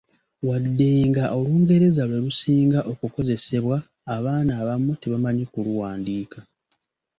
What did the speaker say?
Wadde nga Olungereza lwe lusinga okukozesebwa, abaana abamu tebamanyi kuluwandiika.